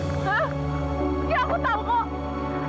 iya aku tau kok